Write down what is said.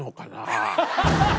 ハハハハ！